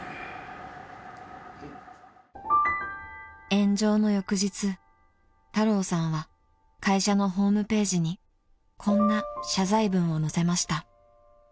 ［炎上の翌日太郎さんは会社のホームページにこんな謝罪文を載せました］